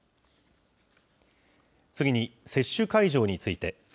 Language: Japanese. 次に、接種会場について。